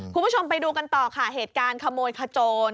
คุณผู้ชมไปดูกันต่อค่ะเหตุการณ์ขโมยขโจร